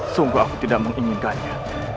sungguh aku tidak menginginkannya